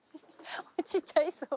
落ちちゃいそう。